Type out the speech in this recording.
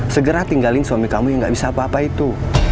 segera tinggalin suami kamu yang gak bisa apa apa itu